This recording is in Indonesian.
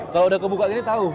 kalau udah kebuka gini tahu